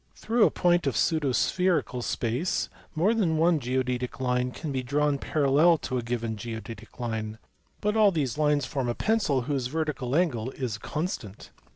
Through a point of pseudo spherical space more than one geodetic line can be drawn parallel to a given goedetic line, but all these lines form a pencil whose vertical angle is constant.